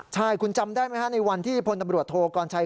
ใช่คุณจำได้ไหมฮะในวันที่พลตำรวจโทกรชัย